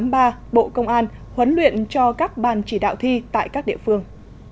bộ công an huấn luyện cho các ban chỉ đạo thi tại các địa phương